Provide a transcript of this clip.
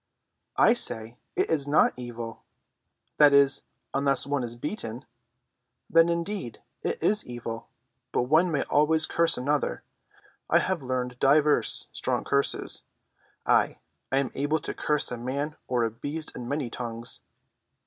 "I say it is not evil—that is, unless one is beaten. Then, indeed, it is evil. But one may always curse another. I have learned divers strong curses—ay, I am able to curse a man or a beast in many tongues."